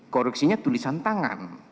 koreksinya tulisan tangan